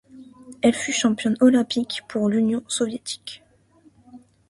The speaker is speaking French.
Elle fut championne olympique pour l'Union soviétique.